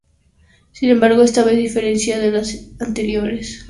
Sin embargo esta vez, a diferencia de las anteriores, Berraondo decide aceptar en principio.